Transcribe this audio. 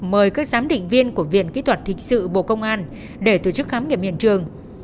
mời các giám định viên của viện kỹ thuật thị sự bộ công an để tổ chức khám nghiệm hiện trường